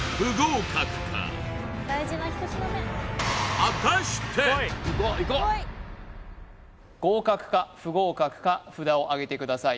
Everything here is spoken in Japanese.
商品合格か不合格か札をあげてください